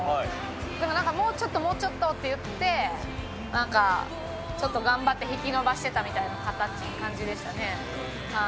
だからなんかもう、もうちょっと、もうちょっとって言って、なんか、ちょっと頑張って引き延ばしてたみたいな感じでしたね。